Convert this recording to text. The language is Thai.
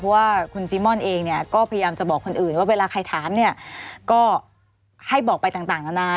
เพราะว่าคุณจีม่อนเองเนี่ยก็พยายามจะบอกคนอื่นว่าเวลาใครถามเนี่ยก็ให้บอกไปต่างนานา